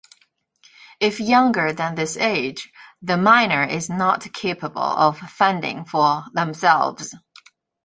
If younger than this age, the minor is not capable of fending for themselves.